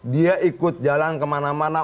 dia ikut jalan kemana mana